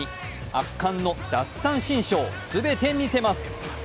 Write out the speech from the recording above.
圧巻の奪三振ショー、全て見せます